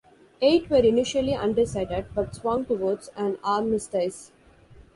Eight were initially undecided but swung towards an armistice.